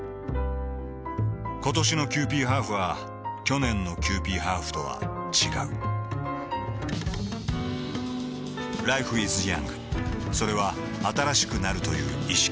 ことしのキユーピーハーフは去年のキユーピーハーフとは違うＬｉｆｅｉｓｙｏｕｎｇ．それは新しくなるという意識